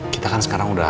kita kan sekarang udah